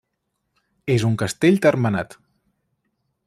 És un castell termenat.